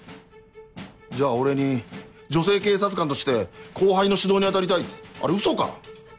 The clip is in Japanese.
じゃあ俺に「女性警察官として後輩の指導に当たりたい」ってあれウソか？